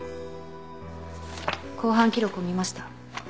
公判記録を見ました。